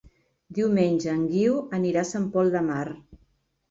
Diumenge en Guiu anirà a Sant Pol de Mar.